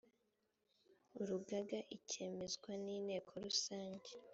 urugaga ikemezwa n inteko rusange